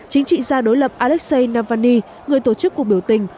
chính trị gia đối lập alexei navaly người tổ chức cuộc biểu tình